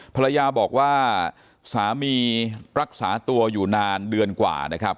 ภรรยาบอกว่าสามีรักษาตัวอยู่นานเดือนกว่านะครับ